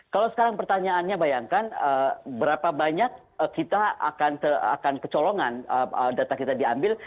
kalau sekarang pertanyaannya bayangkan berapa banyak kita akan kecolongan data kita diambil